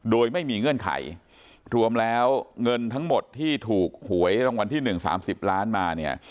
โดยไม่มีเงื่อนไขรวมแล้วเงินทั้งหมดที่ถูกหวยรางวัลที่๑๓๐ล้านมาเนี่ย